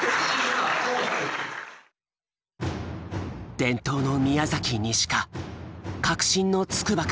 伝統の宮崎西か革新の筑波か。